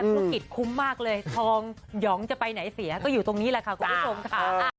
ธุรกิจคุ้มมากเลยทองหยองจะไปไหนเสียก็อยู่ตรงนี้แหละค่ะคุณผู้ชมค่ะ